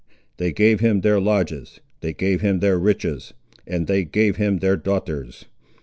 They gave him their lodges, they gave him their riches, and they gave him their daughters.